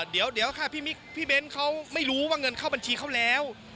เดี๋ยวค่ะพี่เบ้นเขาไม่รู้ว่าเงินเข้าบัญชีเขาแล้ว